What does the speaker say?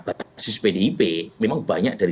basis pdip memang banyak dari